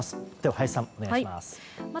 林さん、お願いします。